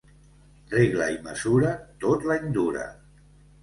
Regla i mesura tot l'any dura.